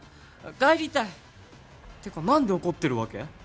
帰りたいってか何で怒ってるわけ？